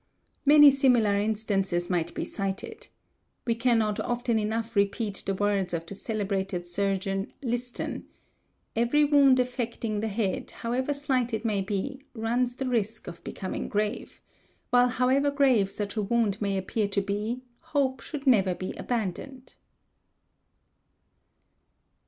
Many similar instances might be cited. We cannot often enough repeat the words of the celebrated surgeon Liston:—'' Every wound affecting : the head, however slight it may be, runs the risk of becoming grave; — while however grave such a wound may appear to be, hope should never be abandoned."